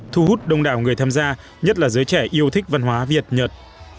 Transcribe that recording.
thu hút đông đảo người tham gia nhất là giới trẻ yêu thích văn hóa việt nhật